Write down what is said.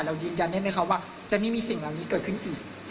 ยืนยันได้ไหมคะว่าจะไม่มีสิ่งเหล่านี้เกิดขึ้นอีก